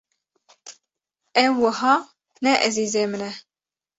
Ew wiha ne ezîzê min e.